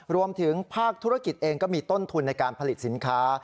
รวมถึงภาคธุรกิจเองก็มีต้นทุนในการผลิตสินค้า